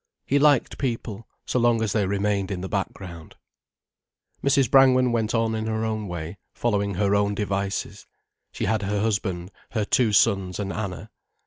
He liked people, so long as they remained in the background. Mrs. Brangwen went on in her own way, following her own devices. She had her husband, her two sons and Anna.